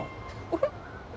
あれ？